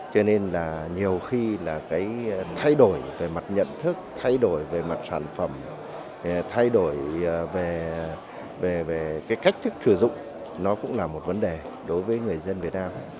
cho nên là nhiều khi là cái thay đổi về mặt nhận thức thay đổi về mặt sản phẩm thay đổi về cái cách thức sử dụng nó cũng là một vấn đề đối với người dân việt nam